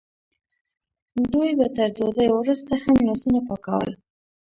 دوی به تر ډوډۍ وروسته هم لاسونه پاکول.